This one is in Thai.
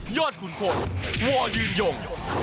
ยอดขุนพลว่ายืนยง